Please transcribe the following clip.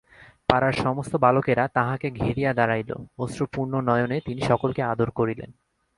পাড়ার সমস্ত বালকেরা তাঁহাকে ঘিরিয়া দাঁড়াইল, অশ্রুপূর্ণনয়নে তিনি সকলকে আদর করিলেন।